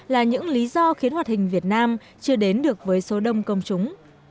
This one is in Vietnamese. là những lý do khiến hoạt hình việt nam chưa đến được với số đông công chúng